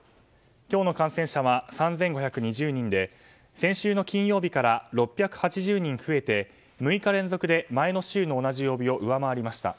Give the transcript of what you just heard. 今日の感染者は３５２０人で先週の金曜日から６８０人増えて６日連続で前の週の同じ曜日を上回りました。